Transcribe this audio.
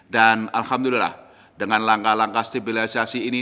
dan alhamdulillah dengan langkah langkah stabilisasi ini